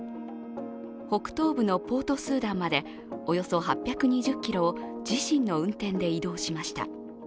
北東部のポートスーダンまでおよそ８２０ｋｍを自身の運転で移動しました。